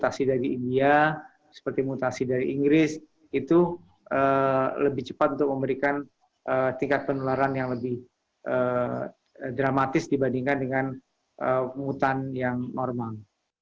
mutasi dari india seperti mutasi dari inggris itu lebih cepat untuk memberikan tingkat penularan yang lebih dramatis dibandingkan dengan mutan yang normal